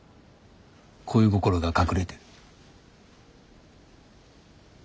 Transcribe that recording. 恋心が隠れてる？